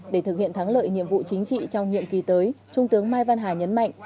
để thực hiện thắng lợi nhiệm vụ chính trị trong nhiệm kỳ tới trung tướng mai văn hà nhấn mạnh